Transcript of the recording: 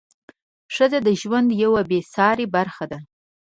ښځه د ژوند یوه بې سارې برخه ده.